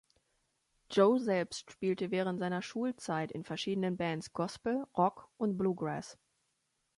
Joe selbst spielte während seiner Schulzeit in verschiedenen Bands Gospel, Rock und Bluegrass.